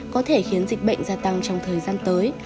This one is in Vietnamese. có thể khiến dịch bệnh gia tăng trong thời gian tới